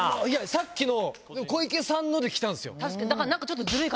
さっきの小池さんので来たんすよ。